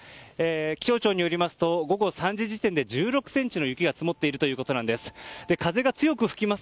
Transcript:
気象庁によりますと午後３時時点で１６ｃｍの雪が積もっているということです。